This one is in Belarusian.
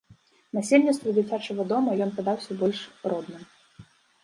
Насельніцтву дзіцячага дома ён падаўся больш родным.